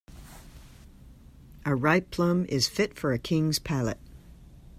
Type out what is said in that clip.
A ripe plum is fit for a king's palate.